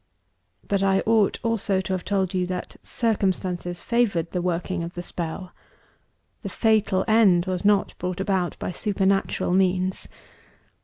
But I ought also to have told you that circumstances favored the working of the spell: the fatal end was not brought about by supernatural means.